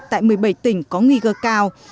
tại một mươi bảy tỉnh có nguy gơ cao